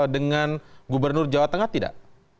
dengan gubernur jawa tengah tidak